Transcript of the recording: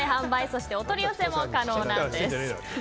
そしてお取り寄せも可能なんです。